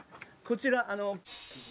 こちら。